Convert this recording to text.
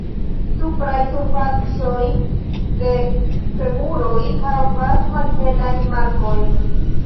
Supraj surfacoj de femuroj havas malhelajn markojn.